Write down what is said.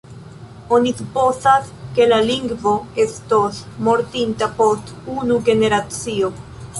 Oni supozas, ke la lingvo estos mortinta post unu generacio.